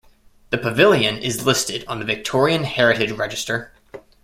The Pavilion is listed on the Victorian Heritage Register.